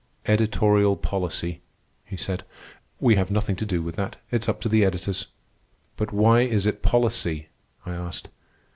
"Editorial policy," he said. "We have nothing to do with that. It's up to the editors." "But why is it policy?" I asked.